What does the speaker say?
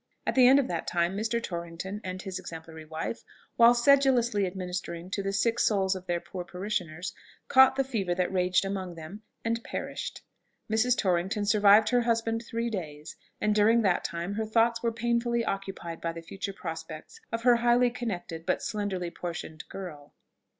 At the end of that time, Mr. Torrington and his exemplary wife, while sedulously administering to the sick souls of their poor parishioners, caught the fever that raged among them, and perished. Mrs. Torrington survived her husband three days; and during that time her thoughts were painfully occupied by the future prospects of her highly connected but slenderly portioned girl.